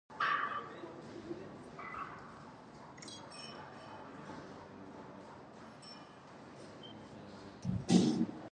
It will normally be associated with ongoing obligations for shared maintenance.